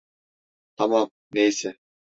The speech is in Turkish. Tamam, neyse.